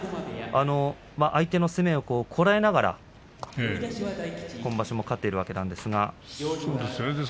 相手の攻めをこらえながら今場所も勝っているわけですが。